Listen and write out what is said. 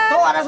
siapa yang mau